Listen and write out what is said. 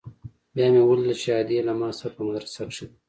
بيا مې وليدل چې ادې له ما سره په مدرسه کښې ده.